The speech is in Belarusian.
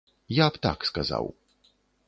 Я б так сказаў.